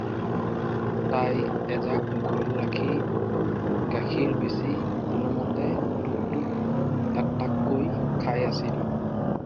তাই এজাক গৰু ৰাখি গাখীৰ বেচি কোনোমতে টুক-টুক টাক-টাককৈ খাই আছিল।